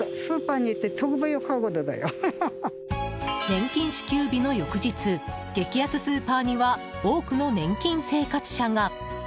年金支給日の翌日激安スーパーには多くの年金生活者が。